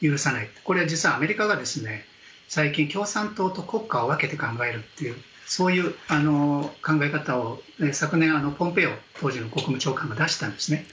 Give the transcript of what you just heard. これは実はアメリカが最近、共産党と国家を分けて考えるというそういう考え方を昨年、当時のポンぺオ国務長官が出したんですね。